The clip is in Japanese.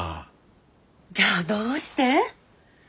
じゃあどうして。